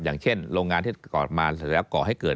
อย่างเช่นโรงงานที่กอดมาเสร็จแล้วก่อให้เกิด